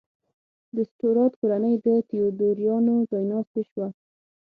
د سټورات کورنۍ د تیودوریانو ځایناستې شوه.